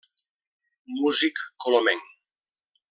Músic colomenc.